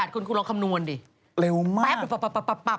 ๔๘คนคุณลองคำนวณดิเร็วมากแปปปับเลยน่ากลัวมาก